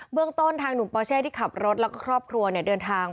เรื่องต้นทางหนุ่มปอเช่ที่ขับรถแล้วก็ครอบครัวเดินทาง